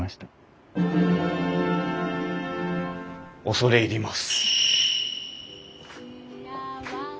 恐れ入ります。